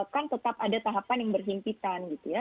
kan tetap ada tahapan yang berhimpitan gitu ya